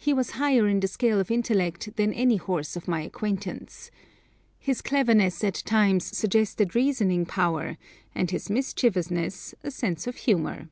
He was higher in the scale of intellect than any horse of my acquaintance. His cleverness at times suggested reasoning power, and his mischievousness a sense of humour.